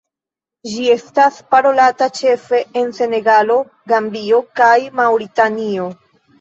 Ĝi estas parolata ĉefe en Senegalo, Gambio kaj Maŭritanio.